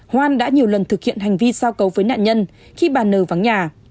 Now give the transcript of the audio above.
hoan đã nhiều lần thực hiện hành vi sao cấu với nạn nhân khi bà n vắng nhà